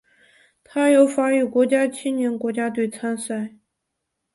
它由法语国家青年国家队参赛。